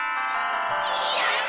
やった！